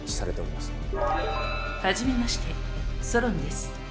初めましてソロンです。